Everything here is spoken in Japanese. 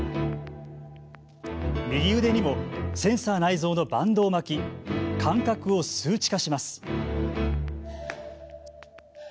右腕にもセンサー内蔵のバンドを巻き感覚を数値化します。